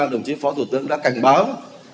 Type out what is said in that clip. đồng chí phó thủ tướng đã cảnh báo